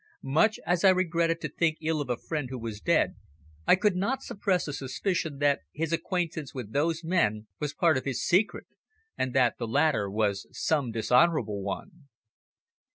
Much as I regretted to think ill of a friend who was dead, I could not suppress a suspicion that his acquaintance with those men was part of his secret, and that the latter was some dishonourable one.